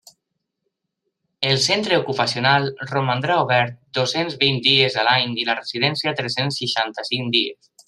El Centre Ocupacional romandrà obert dos-cents vint dies a l'any i la Residència tres-cents seixanta-cinc dies.